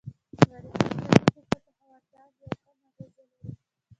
غریبان د لږو ګټو خاوندان دي او کم اغېز لري.